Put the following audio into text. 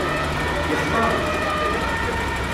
Yextaṛ-ik?